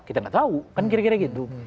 kita nggak tahu kan kira kira gitu